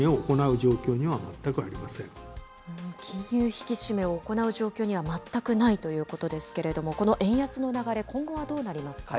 引き締めを行う状況には全くないということですけれども、この円安の流れ、今後はどうなりますか。